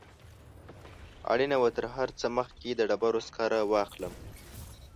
اړینه وه تر هر څه مخکې د ډبرو سکاره واخلم.